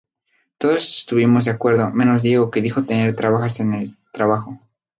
Todos estuvieron de acuerdo, menos Diego que dijo tener trabas en el trabajo.